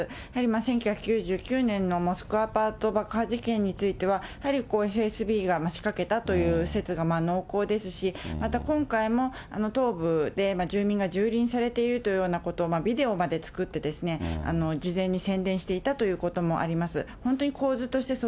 やはり１９９９年のモスクワアパート爆破事件については、やはりＦＳＢが仕掛けたという説が濃厚ですし、また今回も、東部で住民がじゅうりんされているというようなことを、ビデオまで作って事前に宣伝していたということもあります。